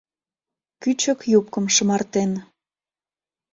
Кӱчык юбкым шымартен